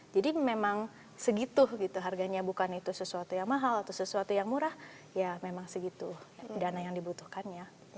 jadi memang segitu gitu harganya bukan itu sesuatu yang mahal atau sesuatu yang murah ya memang segitu dana yang dibutuhkan ya